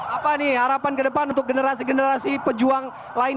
apa nih harapan ke depan untuk generasi generasi pejuang lain